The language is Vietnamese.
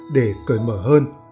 để cởi mở hơn